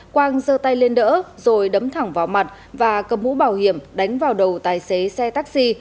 quang dơ tay lên đỡ rồi đấm thẳng vào mặt và cầm mũ bảo hiểm đánh vào đầu tài xế xe taxi